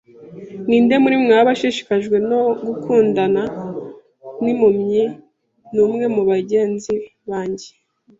Ninde muri mwe waba ashishikajwe no gukundana nimpumyi numwe mubagenzi banjye?